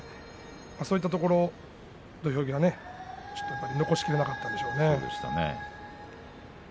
そういったところ、土俵際残し切れなかったんでしょうね。